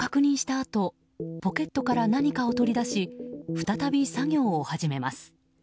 あとポケットから何かを取り出し再び作業を始めます。